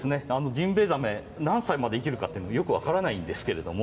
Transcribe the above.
ジンベエザメ何歳まで生きるかっていうのもよく分からないんですけれども。